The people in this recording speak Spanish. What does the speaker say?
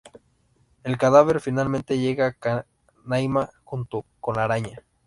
El cadáver finalmente llega a Canaima junto con la araña.